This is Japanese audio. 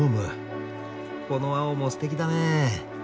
この青もすてきだね。